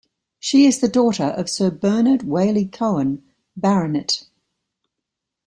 She is the daughter of Sir Bernard Waley-Cohen, Baronet.